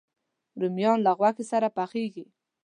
رومیان له غوښې سره پخېږي